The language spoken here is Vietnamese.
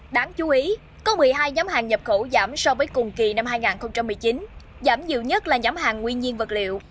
đáng chú ý có một mươi hai nhóm hàng nhập khẩu giảm so với cùng kỳ năm hai nghìn một mươi chín giảm nhiều nhất là nhóm hàng nguyên nhiên vật liệu